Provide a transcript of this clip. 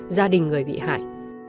gia đình người bị hại